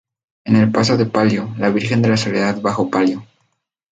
En el paso de palio, la Virgen de la Soledad bajo palio.